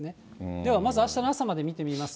ではまず、あしたの朝まで見てみますと。